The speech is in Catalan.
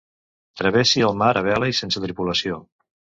Travessi el mar a vela i sense tripulació.